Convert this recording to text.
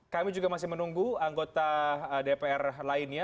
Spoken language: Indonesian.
kami juga masih menunggu anggota dpr lainnya